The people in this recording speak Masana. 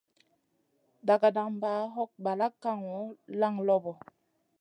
Dagadamba hog balak kaŋu, laŋ loɓo.